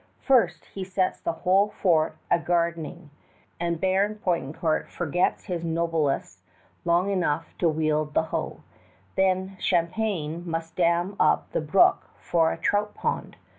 First, he sets the whole fort a gardening, and Baron Poutrincourt forgets his noblesse long enough to wield the hoe. Then Champlain must dam up the brook for a trout pond.